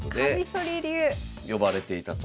呼ばれていたと。